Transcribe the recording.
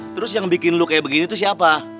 terus yang bikin lo kayak begini tuh siapa